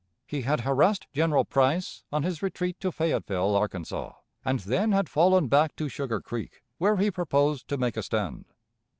He had harassed General Price on his retreat to Fayetteville, Arkansas, and then had fallen back to Sugar Creek, where he proposed to make a stand.